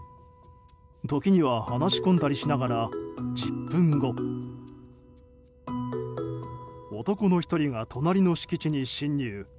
時には話し込んだりしながら１０分後男の１人が隣の敷地に侵入。